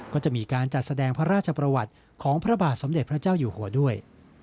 ก็จะมีการจัดแสดงพระราชประวัติของพระบาทสมเด็จพระเจ้าอยู่หัวด้วย